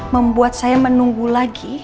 membuat saya menunggu lagi